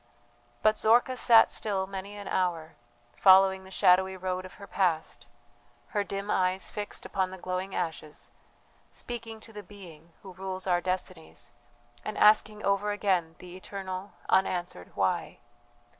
But Zorka sat still many an hour, following the shadowy road of her past, her dim eyes fixed upon the glowing ashes, speaking to the Being who rules our destinies, and asking over again the eternal, unanswered "Why?"